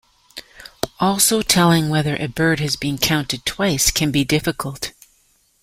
Also, telling whether a bird has been counted twice can be difficult.